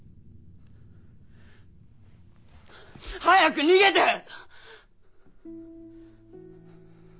早く逃げて！